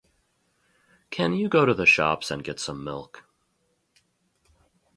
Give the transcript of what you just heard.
Can you go to the shops and get some milk?